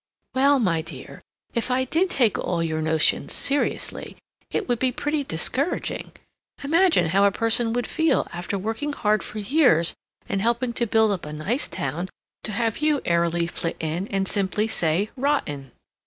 "Well, my dear, if I DID take all your notions seriously, it would be pretty discouraging. Imagine how a person would feel, after working hard for years and helping to build up a nice town, to have you airily flit in and simply say 'Rotten!'